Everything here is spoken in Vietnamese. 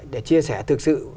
để chia sẻ thực sự